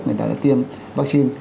người ta đã tiêm vaccine